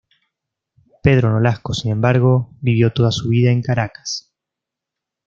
Pedro Nolasco, sin embargo, vivió toda su vida en Caracas.